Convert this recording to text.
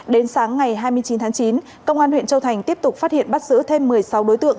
đến sáng ngày hai mươi chín tháng chín công an huyện châu thành tiếp tục phát hiện bắt giữ thêm một mươi sáu đối tượng